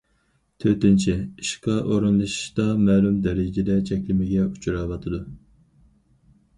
تۆتىنچى، ئىشقا ئورۇنلىشىشتا مەلۇم دەرىجىدە چەكلىمىگە ئۇچراۋاتىدۇ.